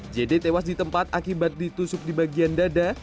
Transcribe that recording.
jd tewas di tempat akibat ditusuk di bagian dada